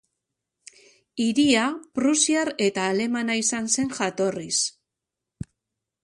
Hiria prusiar eta alemana izan zen jatorriz.